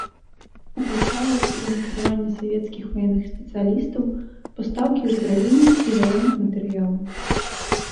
Уключала ў сябе накіраванне савецкіх ваенных спецыялістаў, пастаўкі ўзбраення і ваенных матэрыялаў.